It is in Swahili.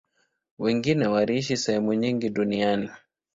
Wengine wanaishi sehemu nyingi duniani.